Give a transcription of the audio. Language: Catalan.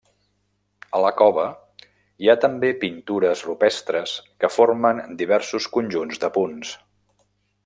A la cova, hi ha també pintures rupestres que formen diversos conjunts de punts.